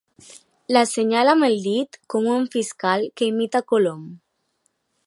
L'assenyala amb el dit com un fiscal que imita Colom.